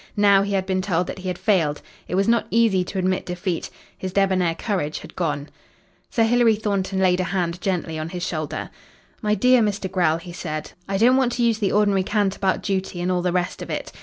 Now he had been told that he had failed. It was not easy to admit defeat. His debonair courage had gone. Sir Hilary Thornton laid a hand gently on his shoulder. "My dear Mr. Grell," he said, "I don't want to use the ordinary cant about duty and all the rest of it.